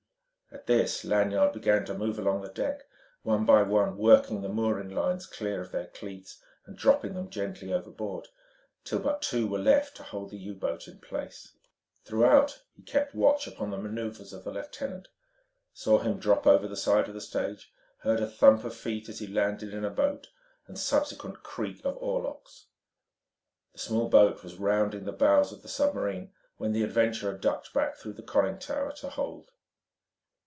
At this Lanyard began to move along the deck, one by one working the mooring lines clear of their cleats and dropping them gently overboard, till but two were left to hold the U boat in place. Throughout he kept watch upon the manoeuvres of the lieutenant saw him drop over the side of the stage, heard a thump of feet as he landed in a boat, and a subsequent creak of oar locks. The small boat was rounding the bows of the submarine when the adventurer ducked back through conning tower to hold.